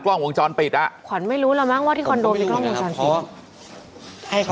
กล้องวงจรปิดอ่ะขวัญไม่รู้แล้วมั้งว่าที่คอนโดมีกล้องวงจรปิดให้เขา